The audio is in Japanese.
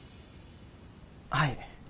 はい。